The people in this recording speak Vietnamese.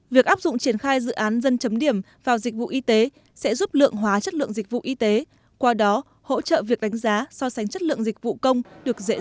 việc áp dụng triển khai dự án dân chấm điểm vào dịch vụ y tế sẽ giúp lượng hóa chất lượng dịch vụ y tế qua đó hỗ trợ việc đánh giá so sánh chất lượng dịch vụ công được dễ dàng hơn